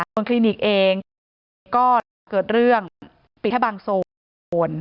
ส่วนคลินิกเองก็เกิดเรื่องปิดแค่บางโซน